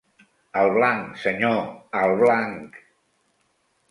Al blanc, senyor, al blanc!